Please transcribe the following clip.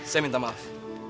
semi ntar maaf